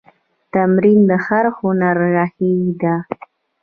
تمرین د هر هنر ریښه ده.